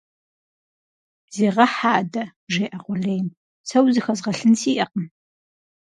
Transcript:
Зегъэхь адэ! - жеӀэ къулейм. - Сэ узыхэзгъэлъын сиӀэкъым.